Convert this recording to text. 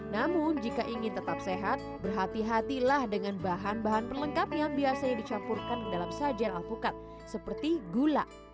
namun jika ingin tetap sehat berhati hatilah dengan bahan bahan perlengkap yang biasanya dicampurkan ke dalam sajian alpukat seperti gula